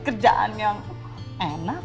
kerjaan yang enak